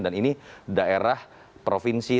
dan ini daerah provinsi